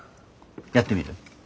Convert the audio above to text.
やってみる？